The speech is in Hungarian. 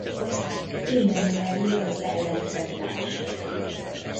Innen nyerjük az ellentmondást.